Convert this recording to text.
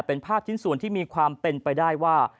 เป็นภาพชิ้นส่วนที่มีความเป็นไปได้ว่า